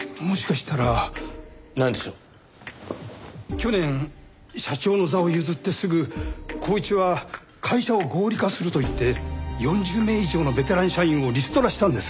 去年社長の座を譲ってすぐ光一は会社を合理化すると言って４０名以上のベテラン社員をリストラしたんです。